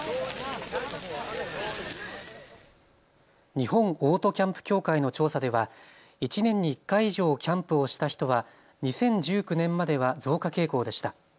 日本オートキャンプ協会の調査では１年に１回以上キャンプをした人は２０１９年までは増加傾向でした。